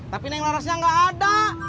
tapi neng lorosnya nggak ada